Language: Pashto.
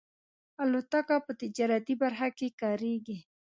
الوتکه په تجارتي برخه کې کارېږي.